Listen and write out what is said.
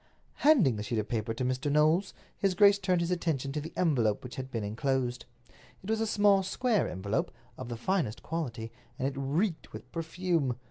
Handing the sheet of paper to Mr. Knowles, his grace turned his attention to the envelope which had been inclosed. It was a small, square envelope, of the finest quality, and it reeked with perfume.